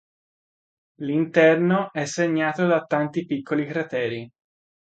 L'interno è segnato da tanti piccoli crateri.